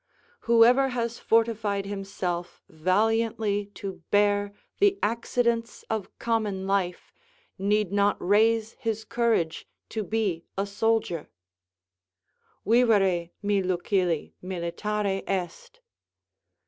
Whoever has fortified himself valiantly to bear the accidents of common life need not raise his courage to be a soldier: "Vivere, mi Lucili, militare est."